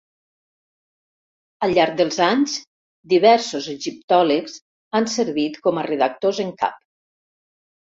Al llarg dels anys, diversos egiptòlegs han servit com a redactors en cap.